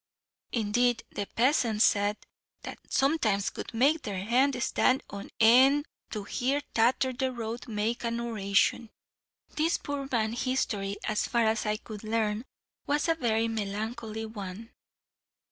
Indeed the peasants said that "sometimes 't would make hair stand on end to hear Tatther the Road make a noration." This poor man's history, as far as I could learn, was a very melancholy one.